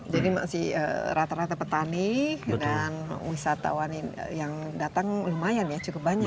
jadi masih rata rata petani dan wisatawan yang datang lumayan ya cukup banyak ya